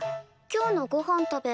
今日のごはんたべ